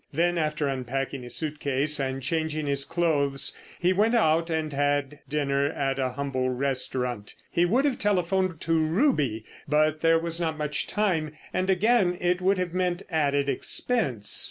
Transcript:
Then, after unpacking his suit case and changing his clothes, he went out and had dinner at a humble restaurant. He would have telephoned to Ruby, but there was not much time, and, again, it would have meant added expense.